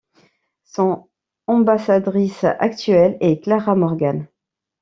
Son ambassadrice actuelle est Clara Morgane.